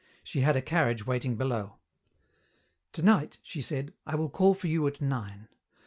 She had a carriage waiting below. "Tonight," she said, "I will call for you at nine.